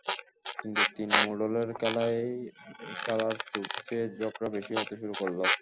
কিন্তু তিন মোড়লের খেলায় খেলার চেয়ে ঝগড়া বেশি হতে শুরু করল।